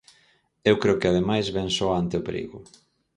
Eu creo que, ademais, vén soa ante o perigo.